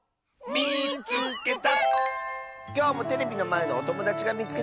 「みいつけた！」。